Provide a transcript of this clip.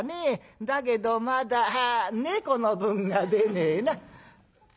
だけどまだ猫の分が出ねえな」。